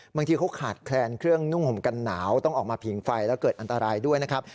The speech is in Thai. บางทีเขาขาดแคลนเครื่องนุ่งห่มกันหนาวต้องออกมาผิงไฟแล้วเกิดอันตรายด้วยนะครับ